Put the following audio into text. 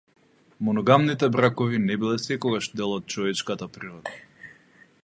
Моногамните бракови не биле секогаш дел од човечката природа.